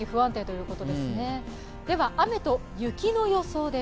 雨と雪の予想です。